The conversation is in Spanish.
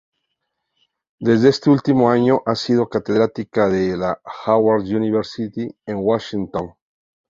Desde este último año ha sido catedrática de la Howard University en Washington.